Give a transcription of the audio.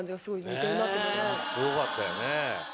ねぇすごかったよね。